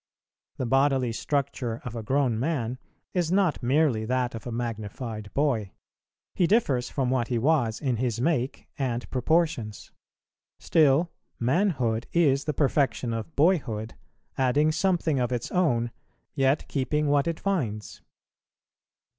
The bodily structure of a grown man is not merely that of a magnified boy; he differs from what he was in his make and proportions; still manhood is the perfection of boyhood, adding something of its own, yet keeping what it finds.